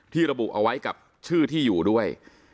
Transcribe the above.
ระบุเอาไว้กับชื่อที่อยู่ด้วย